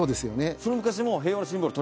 その昔もう平和のシンボル鳥？